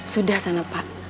sudah sana pak